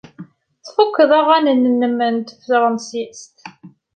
Tfuked aɣanen-nnem n tefṛensist?